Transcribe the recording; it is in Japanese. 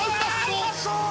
うまそう！